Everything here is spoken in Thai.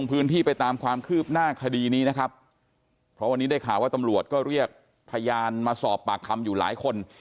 เพราะวันนี้ได้ข่าวว่าตำรวจก็เรียกพยามาสอบปากคำอยู่หลายคน